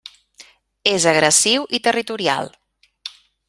És agressiu i territorial.